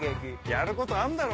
やることあんだろ？